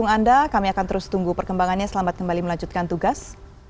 untuk anda kami akan terus tunggu perkembangannya selamat kembali melanjutkan tugas